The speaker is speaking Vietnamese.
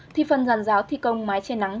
thì phần giàn giáo thi công mái che nắng